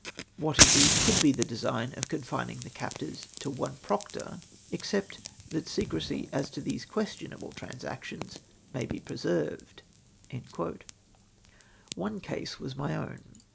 AMiat indeed could be the design of con fining the captors to one proctor, except that secrecy as to these questionable transactions may be preserved." One case was my own.